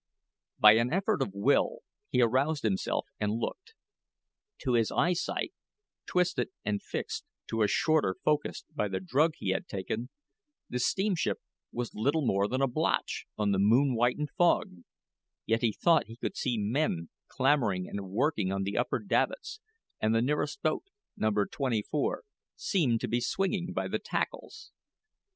By an effort of will, he aroused himself and looked. To his eyesight, twisted and fixed to a shorter focus by the drug he had taken, the steamship was little more than a blotch on the moon whitened fog; yet he thought he could see men clambering and working on the upper davits, and the nearest boat No. 24 seemed to be swinging by the tackles.